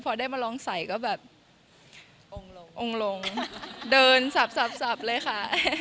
พอได้มาลองใส่ก็แบบองค์ลงองค์ลงเดินสับเลยค่ะ